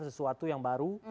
sesuatu yang baru